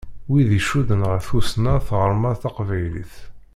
Wid i icudden ɣer tussna d tɣerma taqbaylit.